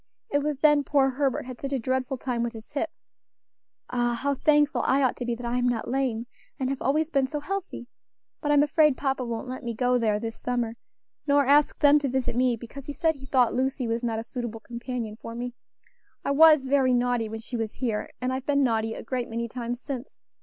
It was then poor Herbert had such a dreadful time with his hip. Ah! how thankful I ought to be that I am not lame, and have always been so healthy. But I'm afraid papa won't let me go there this summer, nor ask them to visit me, because he said he thought Lucy was not a suitable companion for me. I was very naughty when she was here, and I've been naughty a great many times since.